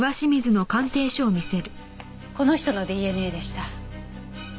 この人のＤＮＡでした。